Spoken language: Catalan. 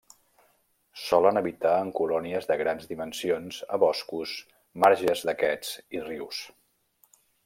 Solen habitar en colònies de grans dimensions a boscos, marges d'aquests i rius.